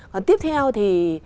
còn tiếp theo thì